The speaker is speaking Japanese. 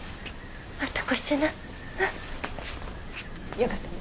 よかったね。